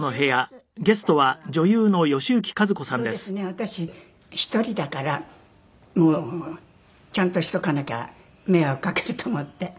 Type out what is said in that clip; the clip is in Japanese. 私１人だからちゃんとしとかなきゃ迷惑かけると思って。